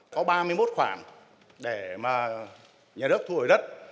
có ba mươi một khoản để mà nhà nước thu hồi đất